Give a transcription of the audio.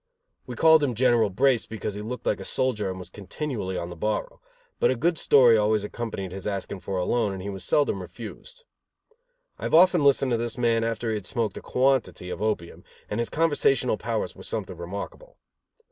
We called him General Brace because he looked like a soldier and was continually on the borrow; but a good story always accompanied his asking for a loan and he was seldom refused. I have often listened to this man after he had smoked a quantity of opium, and his conversational powers were something remarkable.